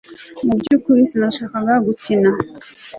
Mu byukuri sinashakaga gukina